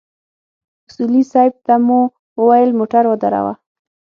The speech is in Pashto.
اصولي صیب ته مو وويل موټر ودروه.